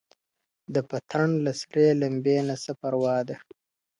د پتڼ له سرې لمبې نه څه پروا ده.